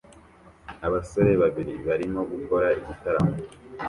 Abasore babiri barimo gukora igitaramo